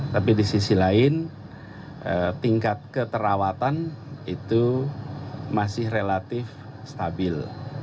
tapi di sisi lain tingkat keterawatan itu masih relatif stabil